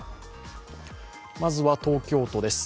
まずは、東京都です。